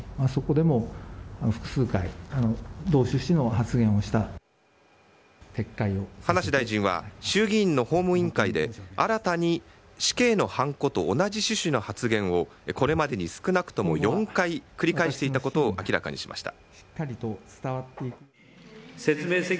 葉梨大臣は衆議院の法務委員会で新たに、死刑のハンコと同じ趣旨の発言をこれまでに少なくとも４回繰り返していたことを明らかにしました。